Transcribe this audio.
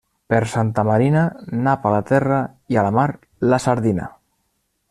Per Santa Marina, nap a la terra, i a la mar, la sardina.